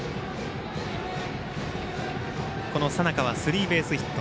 この佐仲はスリーベースヒット。